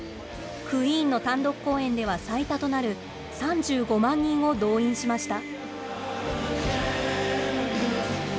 クイーンの単独公演では最多となる３５万人を動員しました。